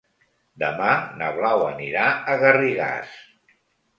Demà na Blau anirà a Garrigàs.